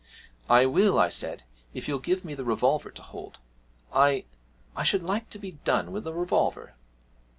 'I will,' I said, 'if you'll give me the revolver to hold. I I should like to be done with a revolver.'